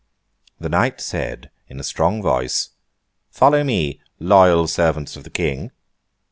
This knight said, in a strong voice, 'Follow me, loyal servants of the King!